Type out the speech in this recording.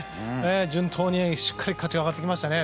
順当にしっかりと勝ち上がってきましたね。